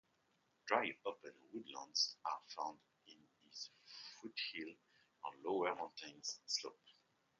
Dry open woodlands are found in foothills and lower mountain slopes.